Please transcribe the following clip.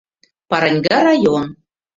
Параньга район».